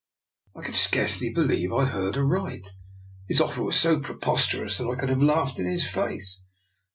" I could scarcely believe I heard aright. His offer was so preposterous, that I could have laughed in his face.